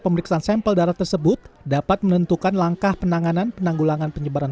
pemeriksaan sampel darah tersebut dapat menentukan langkah penanganan penanggulangan penyebaran